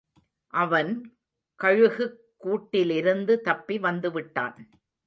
அவன் கழுகுக் கூட்டிலிருந்து தப்பி வந்துவிட்டான்.